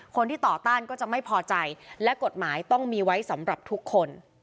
คนที่ต่อต้านก็จะไม่พอใจและกฎหมายต้องมีไว้สำหรับทุกคน